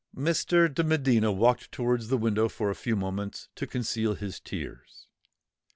'" Mr. de Medina walked towards the window for a few moments to conceal his tears.